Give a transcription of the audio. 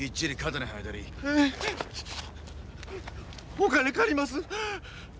お金借ります！